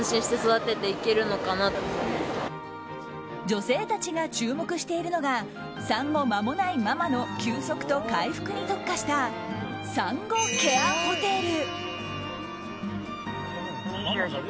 女性たちが注目しているのが産後間もないママの休息と回復に特化した産後ケアホテル。